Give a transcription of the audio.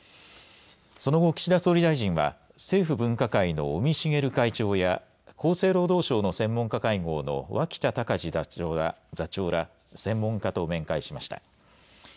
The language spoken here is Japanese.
その後、岸田総理大臣は政府分科会の尾身茂会長や厚生労働省の専門家会合の脇田隆字座長ら専門家と面会しました。